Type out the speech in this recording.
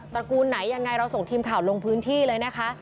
ระกูลไหนยังไงเราส่งทีมข่าวลงพื้นที่เลยนะคะ